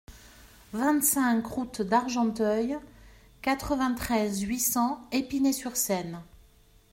vingt-cinq route d'Argenteuil, quatre-vingt-treize, huit cents, Épinay-sur-Seine